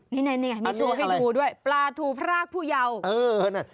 นี่นี่มีชูให้หมูด้วยปลาทูพระรากผู้เยาว์เออนั่น